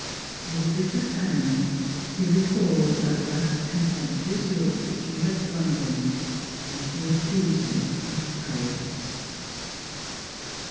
With a bitter pang he recalled that last con temptuous look which she had flung him when she accused him of cowardice.